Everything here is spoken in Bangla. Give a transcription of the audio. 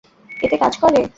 এতে কাজ করে।